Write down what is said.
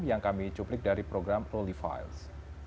yang kami cuplik dari program prolifiles